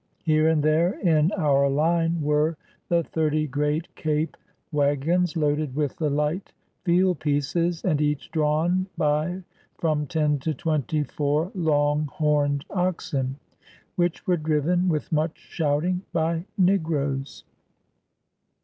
Here and there in our line were the thirty great Cape wagons loaded with the light field pieces and each drawn by from ten to twenty four long horned oxen, which were driven, with much shouting, by Negroes.